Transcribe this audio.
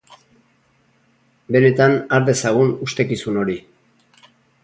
Benetan har dezagun ustekizun hori!